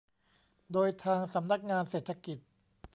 โดยทางสำนักงานเศรษฐกิจ